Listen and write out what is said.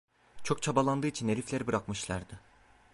Çok çabalandığı için herifler bırakmışlardı…